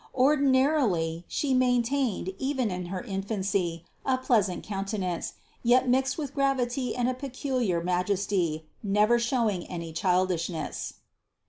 Ordinarily She main tained, even in her infancy, a pleasant countenance, yet mixed with gravity and a peculiar Majesty, never show ing any childishness.